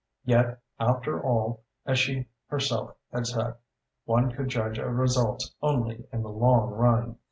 Yet, after all, as she herself had said, one could judge of results only in the long run....